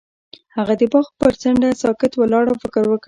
هغه د باغ پر څنډه ساکت ولاړ او فکر وکړ.